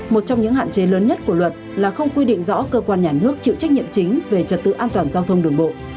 một trong những hạn chế lớn nhất của luật là không quy định rõ cơ quan nhà nước chịu trách nhiệm chính về trật tự an toàn giao thông đường bộ